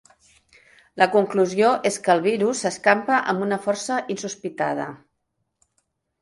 La conclusió és que el virus s'escampa amb una força insospitada.